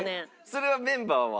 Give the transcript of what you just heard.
それはメンバーは？